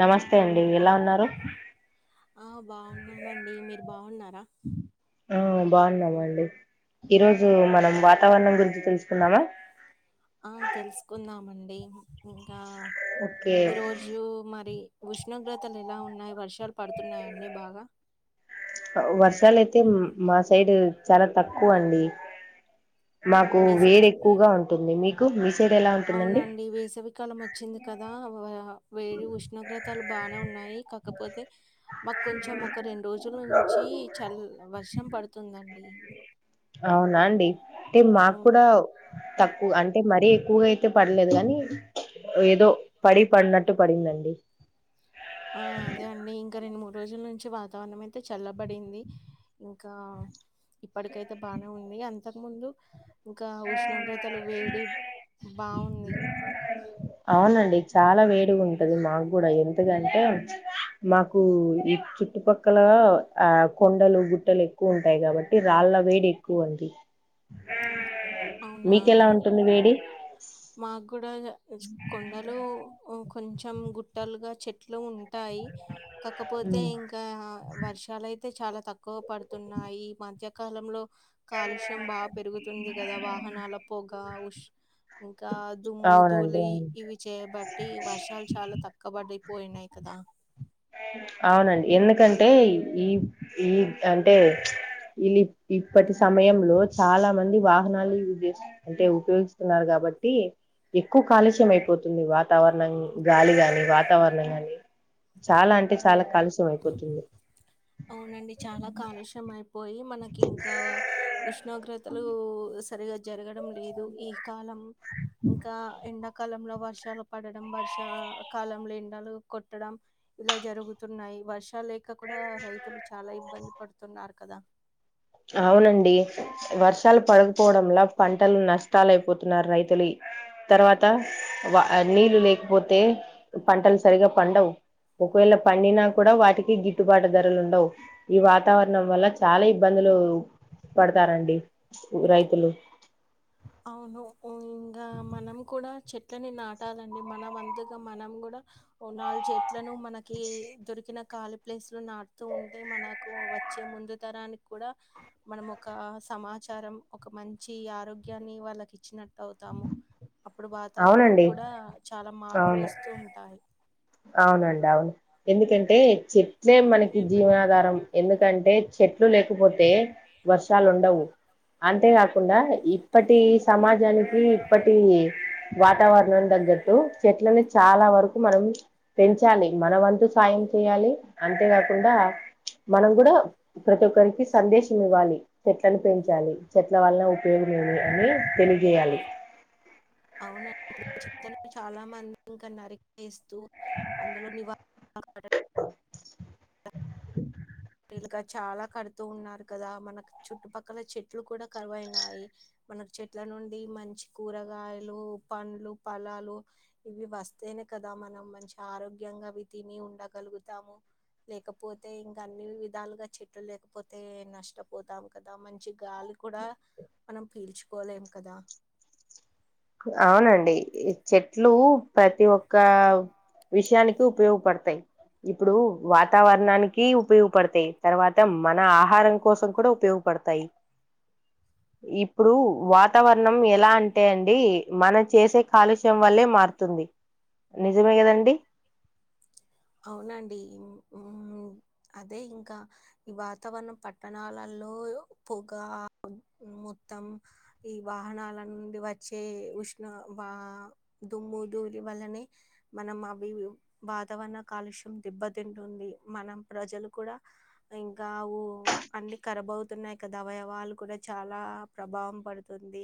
నమస్తే అండి ఎలా ఉన్నారు ఆ బాగున్నానండి మీరు బాగున్నారా ఆ బాగున్నామా అండి ఈరోజు మనం వాతావరణం గురించి తెలుసుకుందామా ఆ తెలుసుకుందామండి ఇంకా ఓకే ఈరోజు మరి ఉష్ణోగ్రతలు ఎలా ఉన్నాయి వర్షాలు పడుతున్నాయిండి బాగా వర్ష లే అయితే మాస సైడ్ చాలా తక్కువ అండి మాకు వేసవి వేడి ఎక్కువగా ఉంటుంది మీక్ గుడ్ ని అవునండి వేసవికాలం వచ్చింది కదా అవా వేడి ఉష్ణోగ్రతలు బానే ఉన్నాయి కాకపోతే మాకు కొంచెం ఒక రెండు రోజుల నుంచి చల్ వర్షం పడుతుందండి. అవునా అండి అంటే మాకు అవును. కూడా తక్కువ అంటే మరీ ఎక్కువగా అయితే పడలేదు గాని ఏదో పడి పడినట్టు పడిందండి ఆ అదే అండి ఇంకా రెండు మూడు రోజుల నుంచి వాతావరణం అయితే చల్లబడింది, ఇంకా ఇప్పటికైతే బానే ఉంది అంతకు ముందు ఇంకా ఉష్ణోగ్రతలు వేడి బాగుంది అవునండి చాలా వేడి ఉంటది మాకు కూడా ఎ త్తిదంటేం ప్చ్ మాకు ఈ చుట్టుపక్కల ఆ కొండలు గుట్టలు ఎక్కువ ఉంటాయి. కాబట్టి రాళ్ళ వేడి ఎక్కువ ఉంది. మీకెలా ఉంటుంది వేడి మాగ్ కూడాగ ఈ కొండలు వొ కొంచెం గుట్టలుగా చెట్లు ఉన్ టాయి కాకపోతే హ్మ్. ఇంకా వర్షాలైత్ తే చాలా తక్కువ పడుతున్నాయి. ఈ మధ్యకాలంలో కాలుష్యం బాపెరుగుతుంది కదా వాహనాల పొగా ఉష్ ఇకా దుమ్ము అవునండి ధూలి ఇ అవును ఇవి చేయబట్టి వర్షాలు చాలా తక్క వడ్ ఎక్కువ అయినాయి కదా అవునండి. ఎందుకంటే ఈ ఈ అంటే ప్చ్ వీళ్ళిప్ ఇప్పటి సమయంలో, చాలా మంది వాహనాలు యూజ్ చేస్త్ అంటే ఉపయోగిస్తున్నారు. కాబట్టి ఎక్కువ కాలుష్యం అయిపోతుంది. వాతావరణం గాలి గాని వాతావరణం గాని చాలా అంటే చాలా కాలుష్యం అయిపోతుంది. మనకి ఇంకావ ఉష్ణోగ్రతలు ఉస్ సరిగజ్ జరగడం లేదు ఈ కాలం ఇంకా ఎండకాలంలో వర్షాలు పడడం, వర్ష కాలంలో ఎండలు కొట్టడం. ఇలా జరుగుతున్నాయి వర్ష్ ర్షాలు లేక కూడా రైతులు చాలా ఇబ్బంది పడుతున్నారు కదా అవునండి వర్షాలు పడకపోవడంలా పంటలు నష్టాలయిపోతున్నారు రైతులు. తర్వాత వా నీళ్ళు లేకపోతే పంటలు సరిగా పండవు, ఒకవేళ పండినా కూడ వాటికి గిట్టుబాటు ధరలు ఉండవు ఈ వాతావరణం వల్ల చాలా ఇ. ఇబ్బందులు పడతారండి రైతులు అవును సో ఇంగ మనం కూడా చె ట్లని నాటాలండి మన వంతుగా మనం కూడా ఓ నాల్ చె ట్లను మనకి దొరికిన ఖాళీ ప్లేస్ లో నాటుతూ ఉంటే మనకు వచ్చే ముందు తరానికి కూడా, మనం ఒక సమాచారం ఒక మంచి ఆరోగ్. యాని వాళ్ళకి ఇచ్చిన తావుతాము అప్పుడు వాతావరణం అవునండి కూడా చాలా మార్పులు అవును వస్తూ ఉంటాయ్ అవునండి అవును ఎందుకంటే చెట్ సేమ్ మనకి జీవనాధారం ఎందుకంటే చెట్లు లేకపోతే వర్షాలు ఉండవు, అంతేకాకుండా ఇప్పటి సమాజానికి ఇప్పటి వాతావరణం తగ్గట్టు చెట్లని చాలా వరకు మనం పెంచాలి మన వంతు సాయం చేయాలి అంతేకాకుండా మనం కూడా ప్రతి ఒక్కరికి సందేశం ఇవ్వాలి. చెట్లను పెంచాలి చెట్ల వలన ఉపయోగం ఏమి అని తెలియజేయాలి అవునం [unintelligible] ఇప్పుడు చెట్లని చాలా మం ఇంకా నరి కేస్తూ అందులో నివా [unintelligible] [unintelligible] చాలా కడుతూ ఉన్నారు కదా మనకు చుట్టుపక్కల చెట్లు కూడా కరువయినాయి. మనకు చెట్ల నుండి మంచి కూరగాయలు పండ్లు ఫలాలు ఇవి వస్తేనే కదా మనం మంచి ఆరోగ్యంగా అవి తిని ఉండగలుగుతాము. లేకపోతే ఇం అన్ని విధాలుగా చెట్లు లేకపోతే నష్టపోతాం కదా మంచి గాలి కూడా మనం పీల్చుకోలేం కదా. అవునండి చెట్లు ప్రతి ఒక్క విషయానికి ఉపయోగపడతాయ్. ఇప్పుడు వాతావరణానికి ఉపయోగపడతాయ్ తర్వాత మన ఆహారం కోసం కూడా ఉపయోగపడతాయి, ఇప్పుడు వాతావరణం ఎలా అంటే [unintelligible] మనం చేసే కాలుష్యం వల్లే మారుతుంది నిజమే కదండి. అవునండి మ్మ్ అదే ఇంకా ఈ వాతావరణం పట్టణాలల్లో పొగ మొత్తం ఈ వాహనాల నుండి వచ్చే ఉష్ణ వా దుమ్ము ధూళి వల్లనే మనం అవి వాతావరణ కాలుష్యం దిబ్బతింటుంది మనం ప్రజలు కూడా ఇంకా ఊ అన్ని ఖరబవుతున్నాయి కదా అవయవాలు కూడా చాలా ప్రభావం పడుతుంది.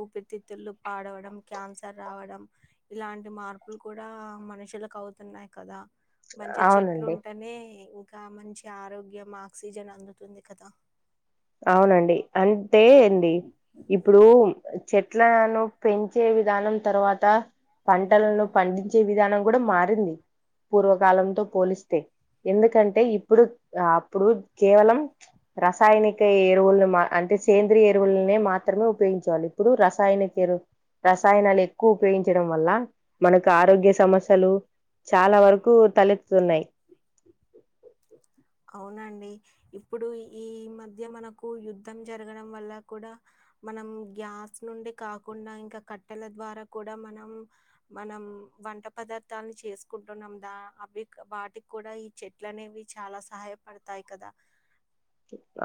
ఊపితిత్తులు పాడవడం క్యాన్సర్ రావడం ఇలాంటి మార్పులు కూడా మనుషులకు అవుతున్నాయి కదా. మంచిగా చెట్లు అవునండి ఉంటనే ఇంకా మంచి ఆరోగ్యం, ఆక్సిజన్ అందుతుంది కదా. అవునండి అంటే అండి ఇప్పుడు చెట్లను పెంచే విధానం తర్వాత, పంటలను పండించే విధానం కూడా మారింది. పూర్వకాలంతో పోలిస్తే, ఎందుకంటే ఇప్పుడు అప్పుడు కేవలం రసాయని. కె ఎరువులను మా అంటే సేంద్రీయ ఎరువులనే మాత్రమే ఉపయోగించే వాళ్ళు, ఇప్పుడు రసాయనిక ఎరువు, రసాయనాలు ఎక్కువ ఉపయోగించడం వల్ల మనకు ఆరోగ్య సమస్యలు చాలా వరకు తలెత్తుతున్నాయి. అవునా అండి ఇప్పుడు ఈ మధ్య మనకు యుద్ధం జరగడం వల్ల కూడా, మనం గ్యాస్ నుండి కాకుండా ఇంకా కట్టెల ద్వారా కూడా మనం, మనం వంట పదార్థాల్ చేసుకుంటున్నాం దా అవి వాటికి కూడా ఈ చెట్లు అనేవి చాలా స్. సహాయపడతాయి కదా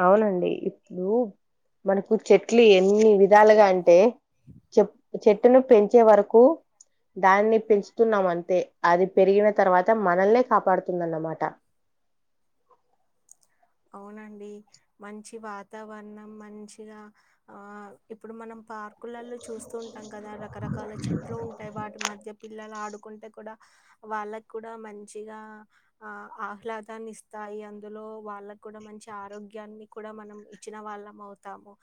అవునండి ఇప్పుడు మనకుద్ చెట్లు ఎన్ని విధాలుగా అంటే చెప్ చెట్టును పెంచే వరకు దాన్ని పెంచుతున్నాం అంతే, అది పెరిగిన తర్వాత మనల్నే కాపాడుతుందన్నమాట. అవునండి మంచి వాతావరణం మంచిగా ఆ ఇప్పుడు మనం పార్కులలో చూస్తూ ఉంటాం కదా రకరకాల చెట్లు ఉంటాయి వాటి మధ్య పిల్లలు ఆ డుకుంటే కూడా వాళ్ళకి కూడా మంచిగా ఆ ఆహ్లాదాన్ని ఇస్తాయి అందులో వాళ్ళకు కూడా మంచి ఆరోగ్యాన్ని కూడా మనం ఇచ్చిన వాళ్ళం అవుతాము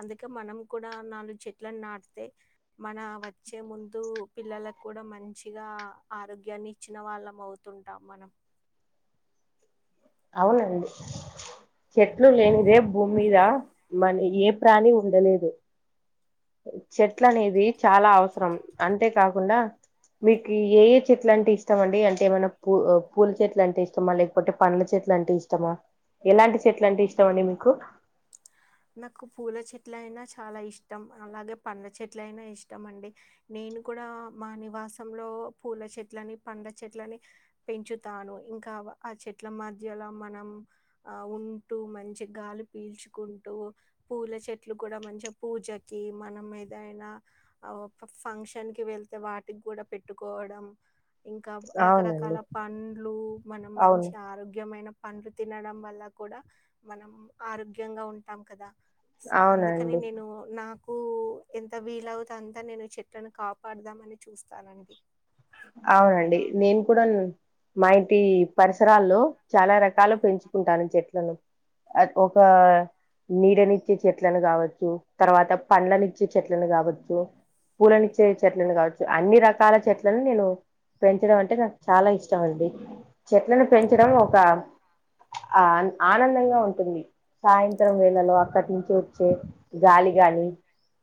అందుకే మనం కూడా నాలుగు చెట్లను నాటితే మన వచ్చే ముందు పిల్లలలకు కూడా మంచిగా ఆరోగ్యాన్ని ఇచ్చిన వాళ్ళం అవుతుంటాం మనం అవునండి చెట్లు లేనిదే భూమి మీద మన ఏ ప్రాణి ఉండలేదు చెట్ల అనేది చాలా అవసరం అంతేకాకుడా కుండా మీకు ఏ ఏ చెట్లు అంటే ఇష్టంమ అండి అంటే ఏమైనా పూ పూల చెట్లు అంటే ఇష్టమా లేకపోతే పంల చెట్లా అంటే ఇష్టమా ఎలాంటి చెట్ల అంటే ఇష్టం అండి మీకు చెట్ల అయినా చాలా ఇష్టం అలాగే పండ చెట్ల అయినా ఇష్టం అండి నేను కూడా మా నివాసంలో పూల చెట్లని పండ చెట్లని పెంచుతాను ఇంకా ఆ చెట్ల మధ్యలో మనం ఆ ూ మంచి గాలి పీల్చుకుంటూ పూల చెట్లు కూడా మంచిగా పూజకి మనం ఏదైనా ఫంక్షన్ కి వెళ్తే వాటికి కూడా పెట్టుకోవడం ఇంకా రకరకాల అవునండి పండ్లు మనం అవును మంచి ఆరోగ్యమైన పంలు తినడం వల్ల కూడా మనం ఆరోగ్యంగా ఉంటాం కదా అందుకని అవునండి నేను నా నాకు ఎంత వీలవుత అంతా నేను చెట్లను కాపాడుదామ అని చూస్తాను అది అవునండి నేను కూడా మా ఇంటి పరిసరాల్లో చాలా రకాలు పెంచుకుంటాను చెట్లను ఒక నీడనిచ్చే చెట్లను కావచ్చు తర్వాత పండ్లనిచ్చే చెట్లను కావచ్చు పూనిచ్చే చెట్లను కావచ్చు అన్ని రకాల చెట్ నేను పెంచడం అంటే నాకు చాలా ఇష్టం అండి చెట్లను పెంచడం ఒక ఆ ఆనందంగా ఉంటుంది సాయంత్రం వేళలో అక్కడి నుంచి వచ్చే గాలి గాని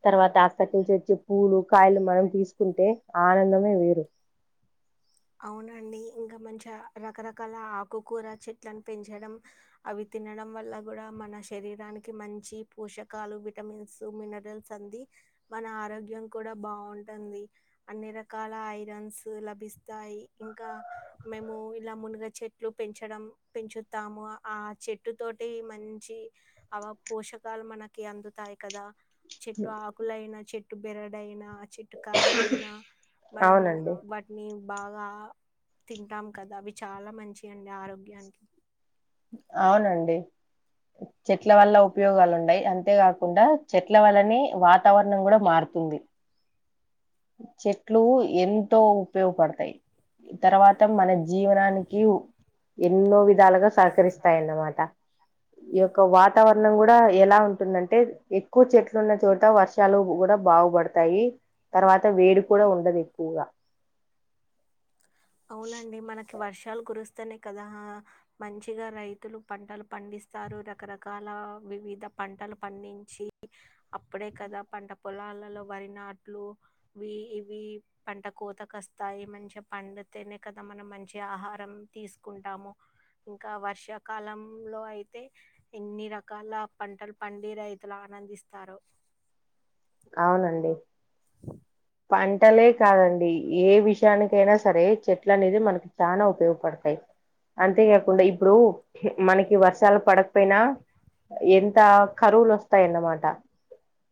తర్వాత అక్కటి నుంచి వచ్చే పూలు కాయలు మనం తీసుకుంటే ఆనందమే వేరు అవునండి ఇంకా మంచి రకరకాల ఆకుకూర చెట్లను పెంచడం అవి తినడం వల్ల కూడా మన శరీరానికి మంచి పోషకాలు విటమిన్స్ మినరల్స్ అంది మన ఆరోగ్యం కూడా బాగుంటుంది అన్ని రకాల ఐరన్స్ లభిస్త ాయి ఇంకా మేము ఇలా మునుగ చెట్లు పెంచడం పెంచుతాము ఆ చెట్టు తోటి మంచి అ పోషకాలు మనకి అందుతాయి కదా చెట్టు ఆకులైనా చెట్టు బిరడయినా చెట్టు కాయలైనా మనం అవునండి వాటిని బాగా తింటాం కదా అవి చాలా మంచి అండి ఆరోగ్యానికి అవునండి చెట్ల వల్ల ఉపయోగాలు ఉన్నాయి అంతేకాకుండా చెట్ల వల్లనే వాతావరణం కూడా మారుతుంది చెట్లు ఎంతో ఉపయోగపడతాయి తర్వాత మన జీవనానికి ఎన్నో విధ విధాలుగా సహకరిస్తాయన్నమాట ఈ యొక్క వాతావరణం కూడా ఎలా ఉంటుందంటే ఎక్కువ చెట్లు ఉన్న చోట వర్షాలు కూడా బాగుపడతాయి తర్వాత వేడి కూడా ఉండదు ఎక్కువగా స్తనే కదా మంచిగా రైతులు పంటలు పండిస్తారు రకరకాల వివిధ పంటలు పండించి అప్పుడే కదా పంట పొలాలలో వరినాట్లు ఇ ఇవి పంట కోతక వస్తాయి మంచిగా పడితేనే కదా మనం మంచి ఆహారం తీసుకుంటాము ఇంకా వర్షాకాలంలో అయితే ఎన్ని రకాల పంటలు పండి రైతులు ఆనందిస్తారు అవునండి పంటలే కాదండి ఏ విషయానిక అైనా సరే చెట్లు అనేది మనకి చనా ఉపయోగపడతాయి అంతేకాకుండా ఇప్పుడు మనకి వర్షాలు పడకపోయినా ఎంత కరువులు వస్తాయిన్నమాట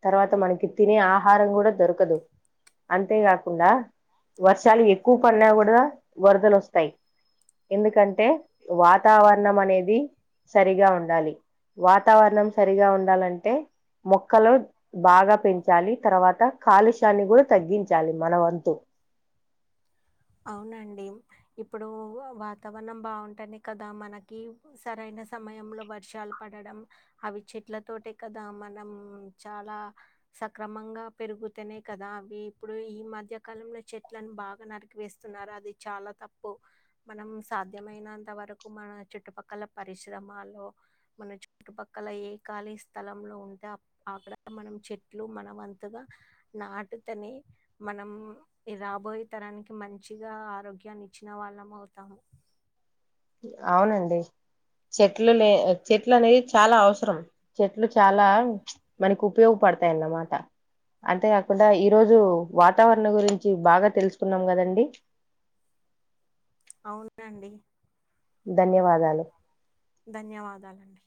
తర్వాత మనకి తినే ఆహారం కూడా దొరకదు అంతేకాకుండా వర్షాలు ఎక్కువ పడినా కూడా వరదలు వస్తాయి ఎందుకంటే వాతావరణం అనేది సరిగా ఉంట డాలీ వాతావరణం సరిగా ఉండాలంటే మొక్కలు బాగా పెంచాలి తర్వాత కాలుష నీ కూడా తగ్గించాలి మన వంతు అవునండి. ఇప్పుడు వాతావరణం బాగుంటానే కదా మనకి సరైన సమయంలో బట్టి వర్షాలు పడడం అవి చెట్ల తోట కదా మనం చాలా సక్రమంగా పెరుగుతేనే కదా అవి ఇప్పుడు ఈ మధ్యకాలంలో చెట్లను బాగా నరికి వేస్తున్నారు అది చాలా తప్పు మనం సాధ్యమైనంత వరకు మన చుట్టుపక్కల పరిశ్రమలో మన చుట్టుపక్కల ఏ ఖాళీ స్థలంలో ఉంటే ఆక్కడ మనం చెట్లు మనం అంతగా నాటుతనే మనం రాబోయే తరానికి మంచిగా ఆరోగ్యాన్ని ఇచ్చిన వాళ్ళం అవుతాము అవునండి చెట్లు లే చెట్లు అనేది చాలా అవసరం చెట్లు చాలా మనకి ఉపయోగపడతాయన్నమాట అంతేకాకుండా ఈరోజు వాతావరణం గురించి బాగా తెలుసుకున్నాం కదండి అవునండి ధన్యవాదాలు ధన్యవాదాలండి